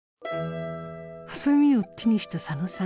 ハサミを手にした佐野さん。